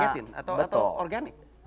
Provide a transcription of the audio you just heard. ditargetin atau organik